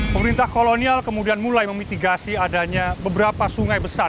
pemerintah kolonial kemudian mulai memitigasi adanya beberapa sungai besar